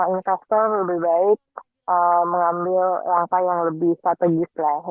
investor lebih baik mengambil langkah yang lebih strategis lah